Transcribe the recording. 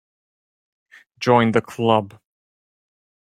Join the Club.